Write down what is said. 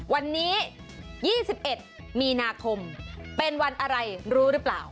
วันนี้๒๑มีนาคมเป็นวันอะไรรู้หรือเปล่า